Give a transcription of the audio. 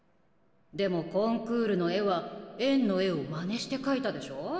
でもコンクールの絵は縁の絵をまねして描いたでしょ？